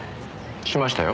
しましたよ。